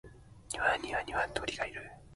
庭には二羽鶏がいる